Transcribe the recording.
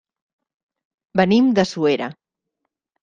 Venim de Suera.